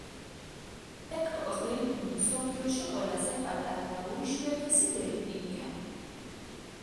ჰექტორის დელფინი მსოფლიოში ყველაზე პატარა და უიშვიათესი დელფინია.